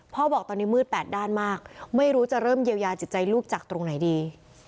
บอกตอนนี้มืดแปดด้านมากไม่รู้จะเริ่มเยียวยาจิตใจลูกจากตรงไหนดี